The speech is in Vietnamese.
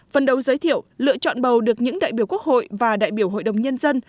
phần đầu giới thiệu lựa chọn bầu được những đại biểu quốc hội và đại biểu hội đồng nhân dân